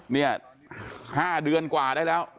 นี่๕เดือนกว่าได้แล้ว